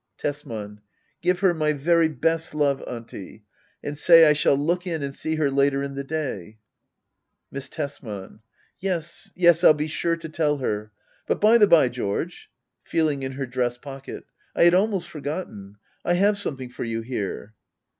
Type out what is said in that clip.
Tesman. Give her my very best love. Auntie ; and say I shall look in and see her later in the day. Miss Tesman. Yes, yes, FU be sure to tell her. But by the bye, George — [Feeling in her dress pocket] — I had almost forgotten — I have something for you here.